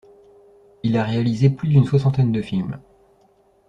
Il a réalisé plus d'une soixantaine de films.